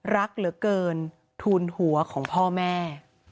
รักเหลือเกินทูลหัวของพ่อแม่